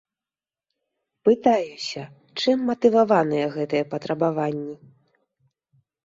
Пытаюся, чым матываваныя гэтыя патрабаванні?